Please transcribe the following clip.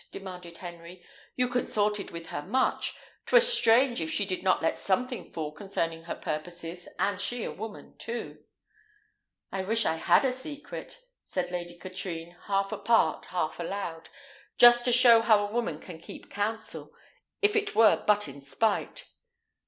demanded Henry. "You consorted with her much: 'twere strange if she did not let something fall concerning her purposes, and she a woman, too." "I wish I had a secret," said Lady Katrine, half apart, half aloud, "just to show how a woman can keep counsel, if it were but in spite.